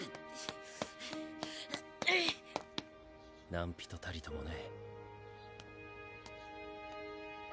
何人たりともね。